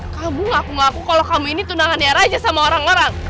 kamu ngaku ngaku kalau kamu ini tunangannya raja sama orang orang